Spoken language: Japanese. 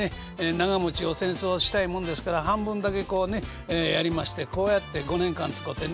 長もちを扇子をしたいもんですから半分だけこうねやりましてこうやって５年間使てね